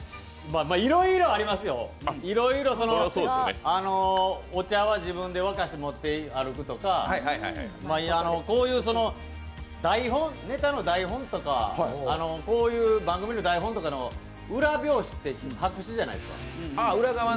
いろいろありますよ、お茶は自分で沸かして持っていくとかこういうネタの台本とかこういう番組の台本の裏表紙って白紙じゃないですか。